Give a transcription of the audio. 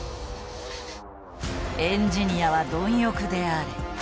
「エンジニアは貪欲であれ」